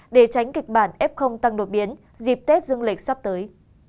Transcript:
để tránh kịch bản f tăng đột biến dịp tết dương lịch sắp tới